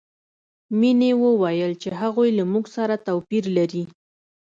مینې وویل چې هغوی له موږ سره توپیر لري